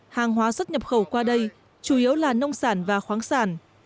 hàng hóa xuất nhập khẩu qua đây chủ yếu là nông sản và khoáng sản